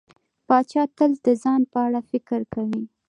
پاچا تل د ځان په اړه فکر کوي.